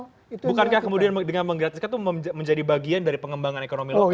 bukankah kemudian dengan menggratiskan itu menjadi bagian dari pengembangan ekonomi lokal